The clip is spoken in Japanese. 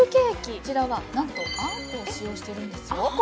こちらはなんとあんこを使用してるんですよ。